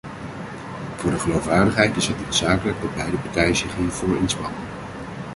Voor de geloofwaardigheid is het noodzakelijk dat beide partijen zich hiervoor inspannen.